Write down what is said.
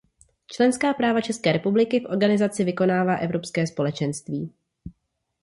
Členská práva České republiky v organizaci vykonává Evropské společenství.